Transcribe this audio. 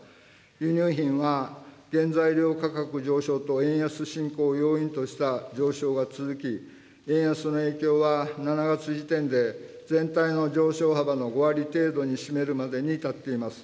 輸入品は、原材料価格上昇と円安進行を要因とした上昇が続き、円安の影響は７月時点で全体の上昇幅の５割程度に占めるまでに至っています。